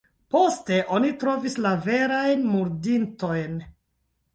Poste oni trovis la verajn murdintojn.